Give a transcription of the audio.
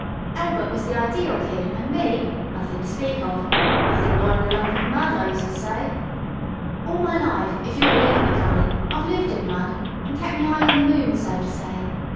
"Elbert was the ideel kid, an' me nothing to speak of. Nothin' more than a lump o' mud, I use to say. All my life, if you'll believe me, cully, I've lived in mud an' kep' me eye on the moon, so to say.